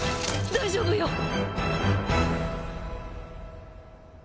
大丈夫よ。